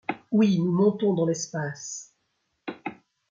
Oui ! nous montons dans l’espace !